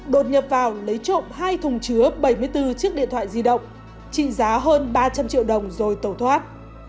đột nhập vào lấy trộm hai thùng chứa bảy mươi bốn chiếc điện thoại di động trị giá hơn ba trăm linh triệu đồng rồi tẩu thoát